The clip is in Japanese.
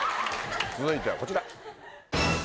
続いてはこちら。